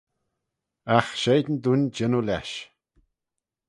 Agh sheign dooin jannoo lesh.